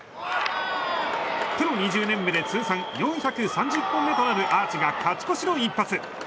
プロ２０年目で通算４３０本目となる勝ち越しの一発。